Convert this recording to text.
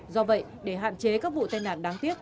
do vậy để hạn chế các vụ tai nạn đáng tiếc